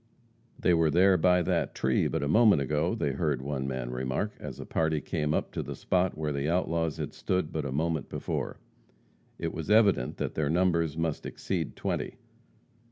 "They were there by that tree but a moment ago," they heard one man remark, as a party came up to the spot where the outlaws had stood but a moment before. It was evident that their numbers must exceed twenty.